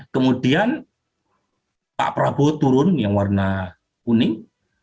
kemudian pak prabowo turun yang warna kuning